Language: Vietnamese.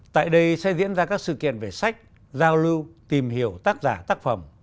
tại đây sẽ diễn ra các sự kiện về sách giao lưu tìm hiểu tác giả tác phẩm